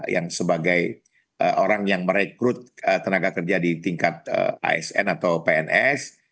yang sebagai orang yang merekrut tenaga kerja di tingkat asn atau pns